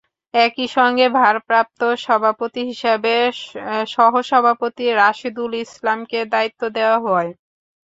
একই সঙ্গে ভারপ্রাপ্ত সভাপতি হিসেবে সহসভাপতি রাশেদুল ইসলামকে দায়িত্ব দেওয়া হয়।